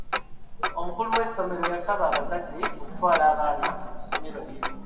Omukulu w'essomero yasaba abazadde okutwala abaana ku ssomero lye.